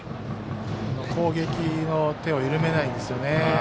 攻撃の手を緩めないですよね。